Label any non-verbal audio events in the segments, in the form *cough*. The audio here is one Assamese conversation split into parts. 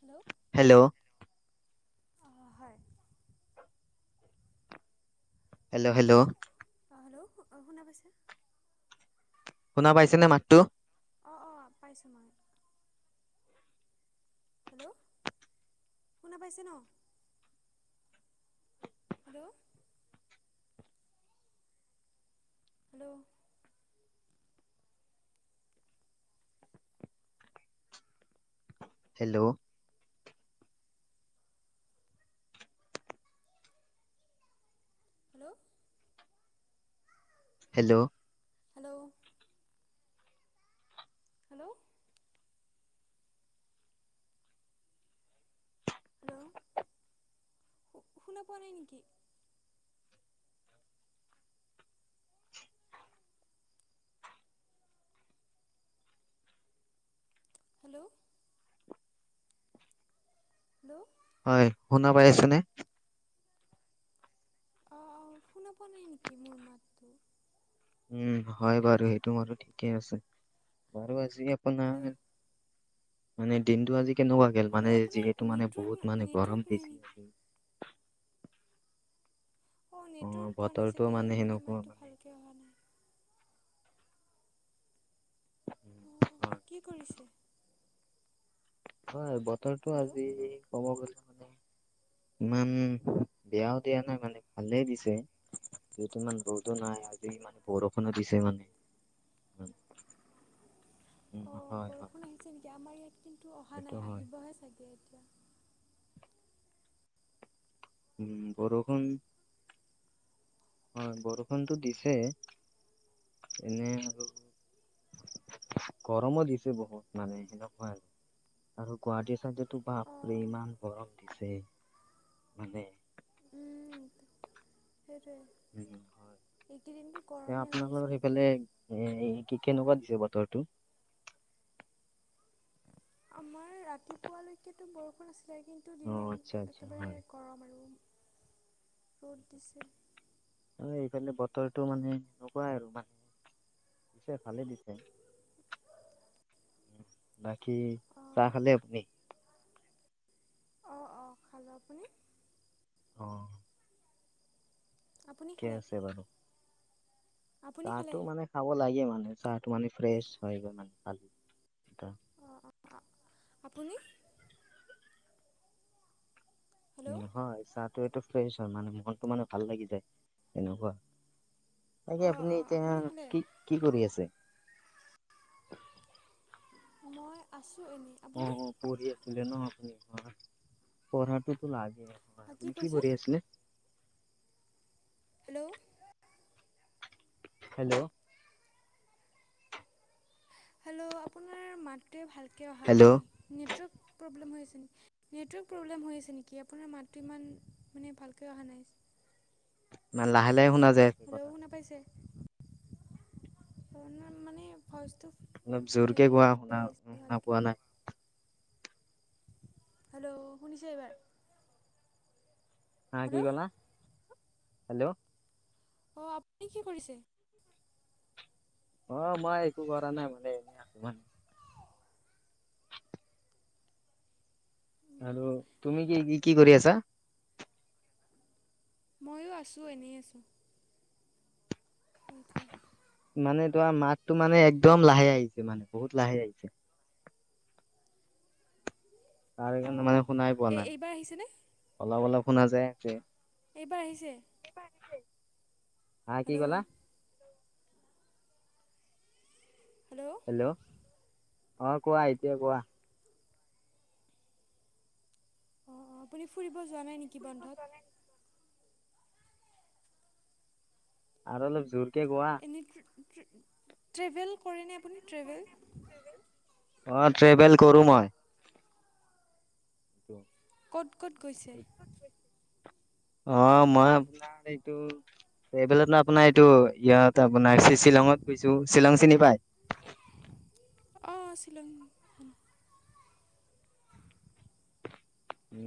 Hello hello. হয়। Hello hello. অঁ হেল্ল' অ শুনা পাইছা? শুনা পাইছে নে মাতটো? অ অ পাইছো মই। হেল্ল' কোনা পাইছে ন? Hello. Hello. Hello. Hello. Hello. Hello. Hello. Hello শুনা পোৱা নাই নেকি? হেল্ল'। হেল্ল'। হয় শুনা পাই আছেনে? অ অ শুনা পোৱা নাই নেকি মোৰ মাতটো? উম হয় বাৰু সেইটো বাৰু ঠিকেই আছে বাৰু আ হেল্ল' আপোনাৰ মানে দিনটো আজি কেনেকুৱা গল হেল্ল' মানে আপোনাৰ যিহেতু মানে নেটৱৰ্ক বহুত মানে নেটৱৰ্ক গৰম দিন? নাই নেকি অঁ নেটৱৰ্ক পোৱা নাই চাগৈ মানে মাতটো ভালকৈ অহা নাই। অ অ হয় কি কৰিছে? হয় বতৰটো হেল্ল' আজি কমৰ গৈছে মানে ইমান বেয়াও দিয়া নাই মানে ভালেই দিছে যিহত ইমান ৰদো নাই আজি মানে বৰষুণত দিছে মানে। অঁ হয় হয়। বৰষুণ আহিছে নেকি আমাৰ ইয়াত কিন্তু অহা সেইটো নাই হয় আহিবহে চাগে এতিয়া। উম, বৰষুণ হয় বৰষুণটো দিছে। এনেই আৰু। গৰমো দিছে বহুত মানে সেনেকুৱা আৰু আৰু গুৱাহাটীৰ চাইডত টো বাপৰে অঁ ইমান গৰম দিছে মানে উম, সেইটোৱে উম, হয়। এইকেইদিনতো এ গৰমেই হৈ আছে আপোনালৰ বতৰ সেইফালে এ কি কেনেকুৱা দিছে বতৰটো? আমাৰ ৰাতিপুৱালৈকো বৰষুণ আছিল কিন্তু অ আচ্ছা দিনত আচ্ছা একেবাৰে হয় গৰম আৰু। ৰোড দিছে। আৰু এইফালে বতৰটো মানে এনেকুৱাই আৰু মানে দিছে ভালে দিছে, বা কি অঁ চাহ খালে আপুনি? অঁ অঁ খালো আপুনি? অঁ। আপুনি খালে কেছেেৱা ন *unintelligible* আপুনি চাহটো খালে মানে খাব লাগে মানে চাহটো মানে ফ্ৰেছ হয়, *unintelligible* মানে খালি অঁ আপুনি? হেল্ল' নহয় চাহটো এইটো ফ্ৰেছ হয় মানে, মনটো মানে ভাল লাগি যায় তেনেকুৱা। তাকে অঁ আপুনি অঁ এতিয়া খালে কি কি কৰি আছে? মই আছোঁ। এনেই আপুনি অ', অ', পঢ়ি আছিলে ন আপু *unintelligible* পঢ়াটোতো লাগ আপুনি কি কৰি আছিলে? *unintelligible* হেল্ল'। হেল্ল', আপোনাৰ মাতটোৱে ভালকে অহা হেল্ল' নাই, নেটৱৰ্ক প্ৰব্লেম হৈ নেটৱৰ্ক প্ৰব্লেম হৈ আছে নেকি, আপোনাৰ মাতটো ইমান মানে ভালকৈ অহা নাই। মানে লাহে লাহে শুনা যায় আছে হেল্ল', কথাটো শুনা পাইছে? মানে ভইচ অলপ জোৰকে কোৱা, শুনা ভালকৈ পোৱা নাই। হেল্ল', শুনিছে এইবাৰ? হা, কি হেল্ল' ক'লা, হেল্ল'? অ', আপুনি কি কৰিছে? অ', মই একো কৰা নাই মানে এনেই আছো মান আৰু তুমি কি, কি, কি, কৰি আছা? মইওঁ আছো, এনেই আছোঁ। সতি *unintelligible* মানে তোমাৰ মাতটো মানে একদম লাহে আহিছে, মানে বহুত লাহে আহিছে। তাৰকাৰণে অঁ মানে শুনাই পোৱা এই নাই, এইবাৰ আহিছেনে মানে অলপ অলপ শুনা যায় আছে। এইবাৰ আহিছে? হা, কি ক'লা? হেল্ল' হেল্ল', অ', কোৱা এতিয়া কোৱা। অঁ, অঁ, আপুনি ফুৰিব যোৱা নাই নেকি বন্ধত? আৰু অলপ জোৰকে কোৱা। এনেই ট্ৰেভেল কৰেনে আপুনি, ট্ৰেভেল? অ', ট্ৰেভেল কৰো মই। টো *unintelligible* ক'ত, ক'ত গৈছে? অ', মই আপোনাৰ এইটো এইফালে আপোনাৰ এইটো ইয়াত আপোনাৰ শ্বিলঙত গৈছো, শ্বিলং চিনি পাই? *unintelligible* অ', শ্বিলং উ,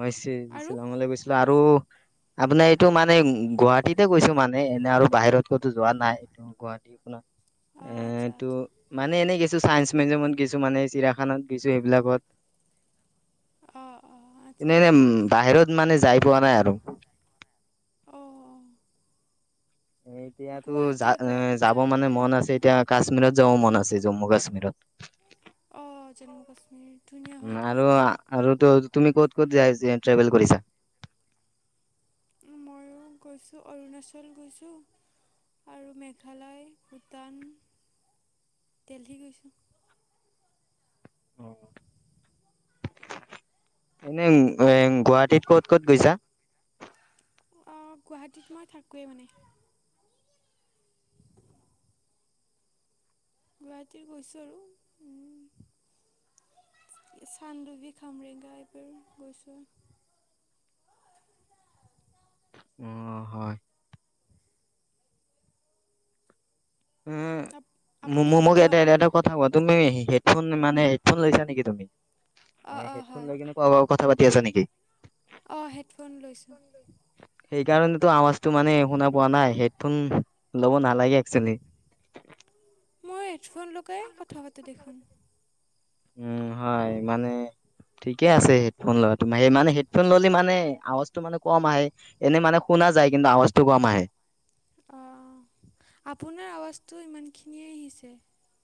মই আৰু শ্বিলঙলৈ গৈছিলো আৰু আপোনাৰ এইটো মানে গুৱাহাটীতে গৈছো মানে, এনে আৰু বাহিৰত ক'তো যোৱা নাই, এইটো গুৱাহাটী আপোনাৰ অঁ আচ্ছা এটো আচ্ছা মানে এনেই কিছু চাইন্স মিউজিয়ামত গৈছো মানে, চিৰিয়াখানাত গৈছো সেইবিলাকত অঁ অঁ আচ্ছা এনে এনেই বাহিৰত মানে যাই পোৱা নাই আৰু। অঁ। এতিয়াতো যা গুৱাহাটীয়ে এ, গৈ যাব যাই মানে থাকে মন আৰু আছে এতিয়া কাশ্মীৰত। যাব মন আছে জম্মু কাশ্মীৰত। অ', জম্মু কাশ্মীৰ। ধুনীয়া উ, হয় আৰু ঠাইটো আৰুতো তুমি ক'ত ক'ত যাইচা ট্ৰেভেল কৰিছা? ময়ো অৰুণাচল গৈছোঁ, আৰু মেঘালয় ভূটান *unintelligible* গৈছোঁ অ', এনে এ গুৱাহাটীত ক'ত -ক'ত গৈছা? অ', গুৱাহাটীত মই থাকোঁৱেই মানে গুৱাহাটীত গৈছোঁ আৰু চানডুবি, খামৰেঙা এইবোৰ গৈছো অ', হয় এ আপ- আপুনি কি মোক এ গুৱা এটা কথা কোৱা তুমি হেডফোন মানে হেডফোন লৈছা নেকি তুমি? অঁ মানে, অঁ হেডফোন লৈ কাৰোবাৰ লগত কিন্তু কথা পাতি আছা নেকি? অ', হেডফোন লৈছো সেইকাৰণেতো আৱাজটো মানে শুনা পোৱা নাই, হেডফোন লব নালাগে একচেলি মই, হেডফোন লগাই কথা পাতো দেখোন উম, হয় মানে ঠিকে আছে হেডফোন লোৱা তো মানে, হেডফোন ল'লে মানে, আৱাজটো মানে কম আহে এনেই মানে শুনা যায়, কিন্তু আৱাজটো কম আহে অ', আপোনাৰ আৱাজটো ইমানখিনিয়ে আহিছে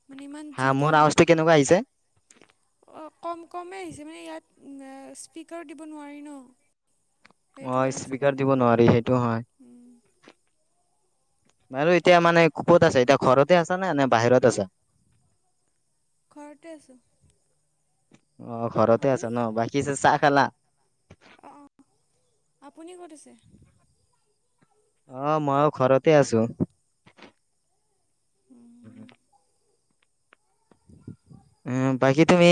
মানে ইমান হা, জোৰকৈ মোৰ অহা নাই আৱজটো কেনেকুৱা আহিছে? অঁ কম কমেই আহিছে মানে ইয়াত স্পীকাৰ দিব নোৱাৰি ন অ, সেইটো ' কাৰণে চাগে স্পকাৰ দিব নোৱাৰি সেইটো উম, হয় বাৰু এতিয়া সেইটো মানে, ক'ত আছে এতিয়া ঘৰতে আছা নে- নে বাহিৰত আছা ঘৰতে আছো অ, ' ঘৰতে আছ ন বাকী চ- চাহ খালা? অঁ অঁ আপুনি ক'ত আছে আহ, মইও ঘৰতে আছো উম, উম, বাকী তুমি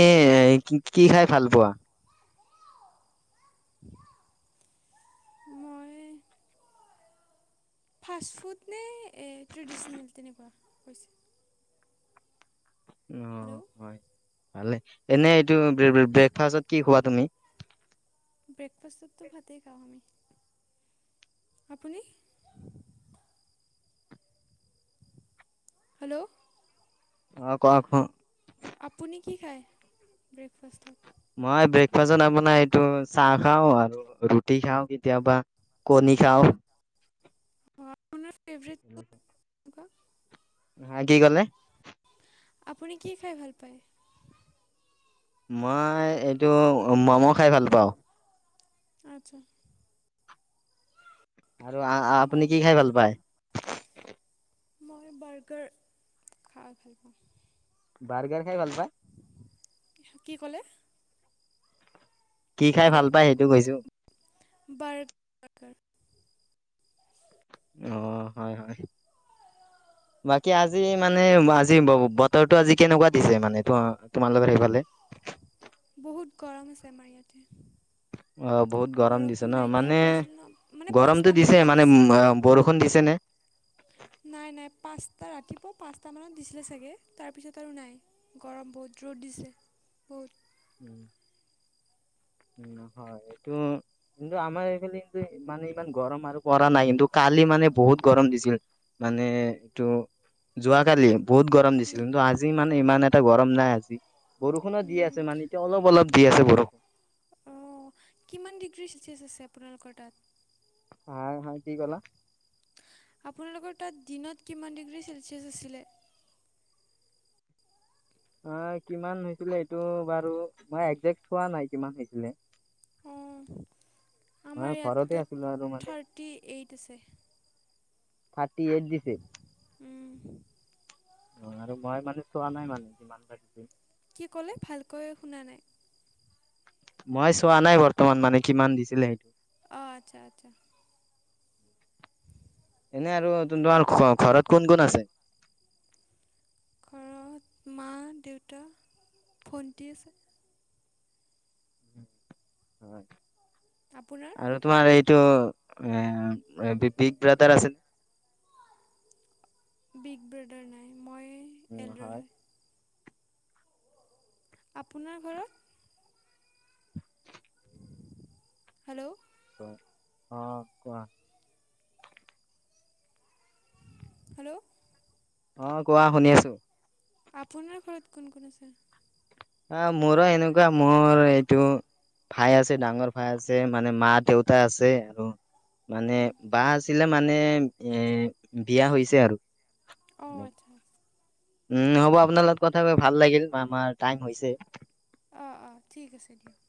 কি খাই ভাল পোৱা? মই ফাষ্ট ফুড নে, ট্ৰেডিচনেল তেনেকুৱা হৈছে অ', হেল্ল' হয় ভালে এনে এইটো ব্ৰেকফাষ্টত কি খোৱা তুমি? ব্ৰেকফাষ্টততো ভাই খাওঁ আমি আপুনি? হেল্ল' অ', ক আহ ক আপুনি কি খায় ব্ৰেকফাষ্টত? মই ব্ৰেকফাষ্টত আপোনাৰ এইটো চাহ খাও আৰু ৰুটি খাওঁ কেতিয়াবা কণী খাও আপোনাৰ ফেভৰেট ফুড *unintelligible* হা, কি কলে? আপুনি কি খাই ভাল পায়? মই এইটো মম' খাই ভাল পাওঁ আচ্ছা, আৰু আপুনি অঁ কি খাই ভাল পায়? মই বাৰ্গাৰ খাই ভাল পাওঁ বাৰ্গাৰ খাই ভাল পায় কি কলে? কি খাই ভাল হেল্ল' পাই সেইটো কৈছো বাৰ্গাৰ আহ, হয়। হয়। বাকী আজি মানে, আজি ব-বতৰটো আজি কেনেকুৱা দিছে মানে? ত-তোমাৰলোকৰ সেইফালে? বহুত গৰম আছে আমাৰ ইয়াতে। অ', বহুত গৰম বৰষুণ দিছে নাই ন'? দিয়া মানে কৈছিলোঁ ন মানে গৰমটো দিছে পাঁচটামানলৈকে মানে-ম বৰষুণ দিছে নে? নাই, নাই। পাঁচটা, ৰাতিপুৱা পাঁচটা মানত দিছিলে চাগে। তাৰপিছত আৰু নাই। গৰম বহুত ৰ'দ দিছে, বহুত। উম। উম, হয়। এইটো কিন্তু আমাৰ এইফালে কিন্তু মানে ইমান গৰম আৰু পৰা নাই, কিন্তু কালি মানে বহুত গৰম দিছিল, মানে এইটো যোৱাকালি। বহুত গৰম দিছিল। উম, কিন্তু আজি মানে ইমান এটা গৰম নাই আজি। বৰষুণো দি উম, আছে মানে এ অলপ অলপ দি আছে বৰষুণ। অ', কিমান ডিগ্ৰী চেলচিয়াছ আছে আপোনালোকৰ তাত? হা, হা, কি ক'লা? আপোনালোকৰ তাত দিনত কিমান ডিগ্ৰী ছেলচিয়াছ আছিলে? অ', কিমান হৈছিলে, এইটো বাৰু মই একজেক্ট থোৱা নাই কিমান হৈছিলে। অ', মই আমাৰ ঘৰতে আছিলো ইয়াতটোত আৰু মানে থাৰ্টি এইট আছে। থাৰ্টি এইট দিছে? আৰু মই মানে চোৱা নাই মানে। যিমান কি ক'লে ভালকৈ *unintelligible* শুনা নাই মই চোৱা নাই বৰ্তমান মানে কিমান দিছিলে সেইটো। অ', আচ্ছা আচ্ছা। এনে আৰু তোমাৰ ঘৰত কোন কোন আছে? ঘৰত, মা, দেউতা, ভন্টি আছে। হয়, আপোনাৰ আৰু তোমাৰ এইটো এ বিগ ব্ৰাদাৰ আছে ন? বিগ ব্ৰডাৰ নাই। মই উম, হয়। আপোনাৰ ঘৰত? হেল্ল', হয়, অ', কোৱা। হেল্ল', অ', কোৱা শুনি আছোঁ। আপোনাৰ ঘৰত কোন কোন আছে? অ', মোৰো এনুকাই, মোৰ এইটো ভাই আছে, ডাঙৰ ভাই আছে, মানে মা দেউতা আছে। আৰু মানে বা আছিলে মানে-এ বিয়া হৈছে আৰু। অ', আচ্ছা। উম, হ'ব। আপনাৰ লগত কথা কৈ ভাল লাগিল, আমাৰ টাইম হৈছে। অ' অ', ঠিক আছে দিয়ক।